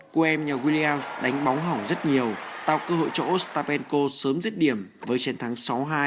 cô em nhà guglia đánh bóng hỏng rất nhiều tạo cơ hội cho ostapenko sớm giết điểm với trận thắng sáu hai